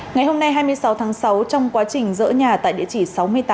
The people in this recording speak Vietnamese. ngày hôm nay hai mươi sáu tháng sáu trong quá trình rỡ nhà tại địa chỉ sáu mươi một